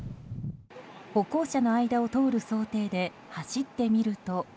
歩行者の間を通る想定で走ってみると。